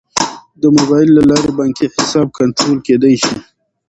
د موبایل له لارې بانکي حساب کنټرول کیدی شي.